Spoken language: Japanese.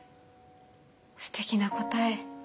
すてきな答え。